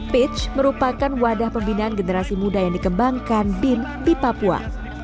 pitch merupakan wadah pembinaan generasi muda yang dikembangkan bin di papua